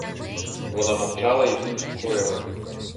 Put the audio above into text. Вона мовчала і тільки курила.